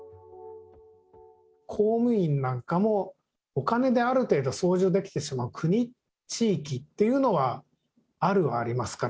公務員なんかも、お金である程度、捜査できてしまう国、地域っていうのはあるはありますから。